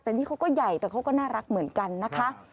แต่นี่เขาก็ใหญ่แต่เขาก็น่ารักเหมือนกันนะคะ